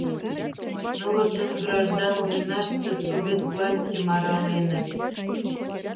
Нылытын граждан войнаште Совет властьым араленыт.